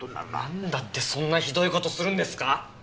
なんだってそんなひどい事するんですか！？